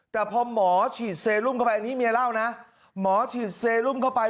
แต่พอหมอฉีดเซรุมเข้าไปอันนี้เมียเล่านะหมอฉีดเซรุมเข้าไป